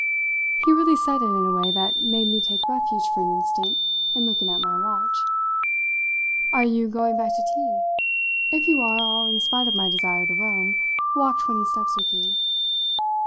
He really said it in a way that made me take refuge for an instant in looking at my watch. "Are you going back to tea? If you are, I'll, in spite of my desire to roam, walk twenty steps with you."